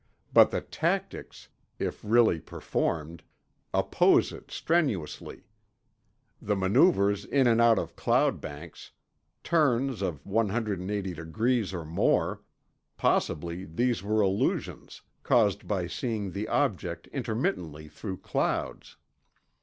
But the tactics, if really performed, oppose it strenuously: the maneuvers in and out of cloud banks, turns of 180 degrees or more, Possibly these were illusions, caused by seeing the object intermittently through clouds.